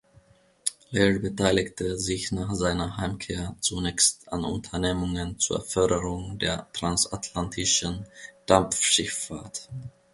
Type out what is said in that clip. Laird beteiligte sich nach seiner Heimkehr zunächst an Unternehmungen zur Förderung der transatlantischen Dampfschifffahrt.